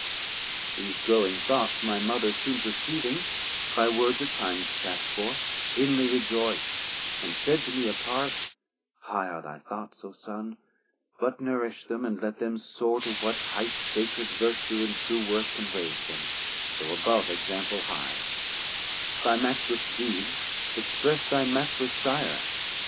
These growing thoughts my Mother soon perceiving By words at times cast forth inly rejoyc'd, And said to me apart, high are thy thoughts O Son, but nourish them and let them soar 230 To what highth sacred vertue and true worth Can raise them, though above example high; By matchless Deeds express thy matchless Sire.